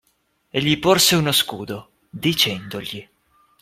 E gli porse uno scudo, dicendogli.